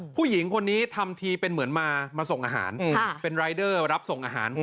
ผู้หญิงคนนี้ทำทีเป็นเหมือนมาส่งอาหารเป็นรายเดอร์รับส่งอาหาร